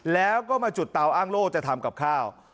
แล้วก็มาจุดเตาอ้างโล่จะทำกับข้าว